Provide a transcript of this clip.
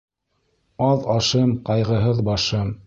Аҙ ашым, ҡайғыһыҙ башым.